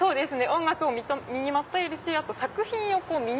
音楽を身にまとえるしあと作品を身に。